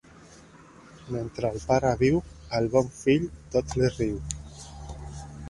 Mentre el pare viu, al bon fill tot li riu.